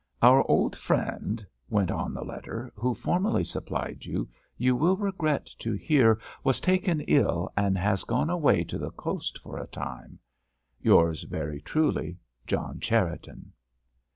"* Our old friend,*" went on the letter, "who formerly supplied you, you will regret to hear, was taken ill, and has gone away to the coast for a time. "Yours very truly, "JOHN CHERRITON."